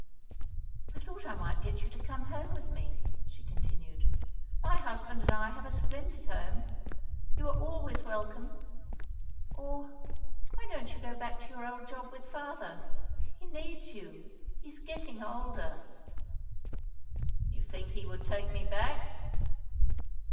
"I thought I might get you to come home with me," she continued, "my husband and I have a splendid home. You are always welcome.... Or why don't you go back to your old job with Father. He needs you. He is getting older." "You think he would take me back?"